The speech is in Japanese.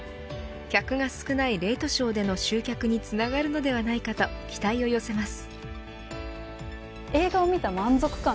客が少ないレイトショーでの集客につながるのではないかと期待を寄せます。